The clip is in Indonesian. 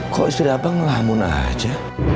kok istri abang lamun aja